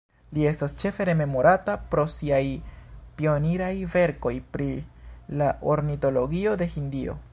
Li estas ĉefe rememorata pro siaj pioniraj verkoj pri la ornitologio de Hindio.